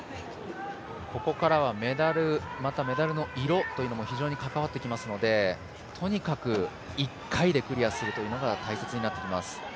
ここからはメダルまたはメダルの色というのも非常に関わってきますのでとにかく１回でクリアするというのが大切になってきます。